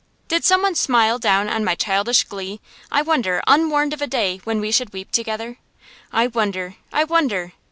Did some one smile down on my childish glee, I wonder, unwarned of a day when we should weep together? I wonder I wonder.